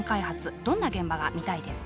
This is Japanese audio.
どんな現場が見たいですか？